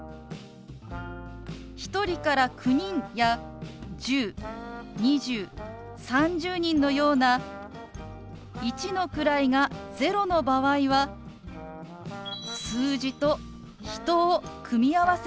１人から９人や１０２０３０人のような一の位が０の場合は「数字」と「人」を組み合わせて表します。